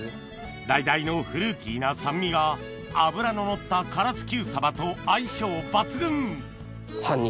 だいだいのフルーティーな酸味が脂ののった唐津Ｑサバと相性抜群半日。